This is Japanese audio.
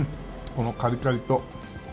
このカリカリと。